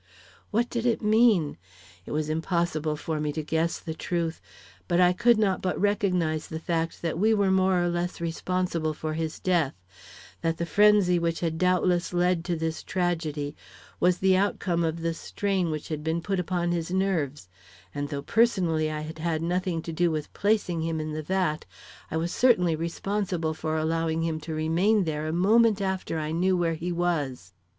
What did it mean? It was impossible for me to guess the truth, but I could not but recognize the fact that we were more or less responsible for his death; that the frenzy which had doubtless led to this tragedy was the outcome of the strain which had been put upon his nerves, and though personally I had had nothing to do with placing him in the vat, I was certainly responsible for allowing him to remain there a moment after I knew where he was.